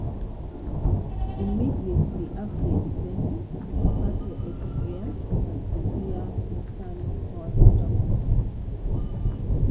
Immediately after independence, the party experienced a severe internal power struggle.